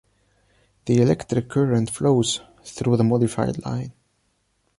The electric current flows through the modified line.